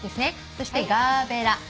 そしてガーベラ。